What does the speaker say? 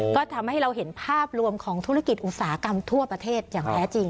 ก็ทำให้เราเห็นภาพรวมของธุรกิจอุตสาหกรรมทั่วประเทศอย่างแท้จริง